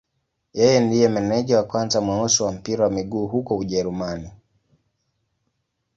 Yeye ndiye meneja wa kwanza mweusi wa mpira wa miguu huko Ujerumani.